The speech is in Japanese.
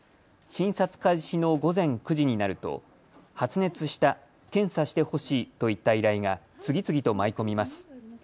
診察開始の午前９時になると発熱した、検査してほしいといった依頼が次々と舞い込みます。